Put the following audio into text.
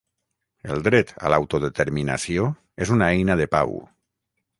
El dret a l'autodeterminació és una eina de pau.